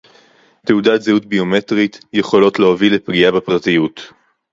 תעודת זהות ביומטריות יכולות להוביל לפגיעה בפרטיות